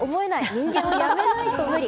人間を辞めないと無理。